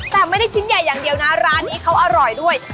แต่ไม่ได้ชิ้นใหญ่อย่างเดียวนะร้านนี้เขาอร่อยด้วย